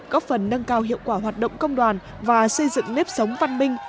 góp phần nâng cao hiệu quả hoạt động công đoàn và xây dựng nếp sống văn minh